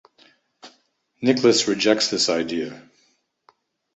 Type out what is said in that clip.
Nicholas rejects this idea.